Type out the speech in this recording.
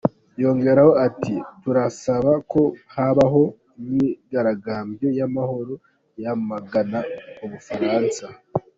Yongeraho ati “Turasaba ko habaho imyigaragambyo y’amahoro yamagana u Bufaransa.